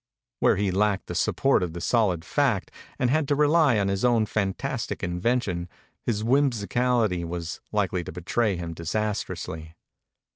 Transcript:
Where he lacked the support of the solid fact and had to rely on his own fantastic invention his whimsicality was likely to betray him disas trously.